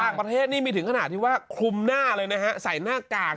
ต่างประเทศนี่มีถึงขนาดที่ว่าคลุมหน้าเลยนะฮะใส่หน้ากาก